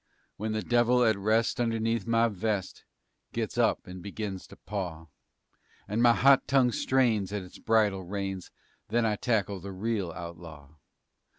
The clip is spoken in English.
_ When the devil at rest underneath my vest Gets up and begins to paw And my hot tongue strains at its bridle reins, Then I tackle the real outlaw.